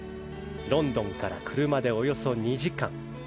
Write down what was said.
ロンドンから車でおよそ２時間。